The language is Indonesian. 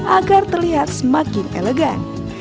agar terlihat semakin elegan